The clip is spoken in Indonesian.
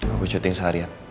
aku syuting seharian